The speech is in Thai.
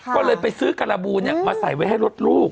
ก็เลยไปซื้อการบูมาใส่ไว้ให้รถลูก